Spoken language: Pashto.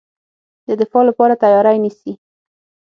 د دفاع لپاره تیاری نیسي.